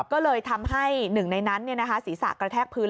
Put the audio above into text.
ก็เลยทำให้หนึ่งในนั้นศีรษะกระแทกพื้น